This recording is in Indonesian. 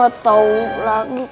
aku gak tau lagi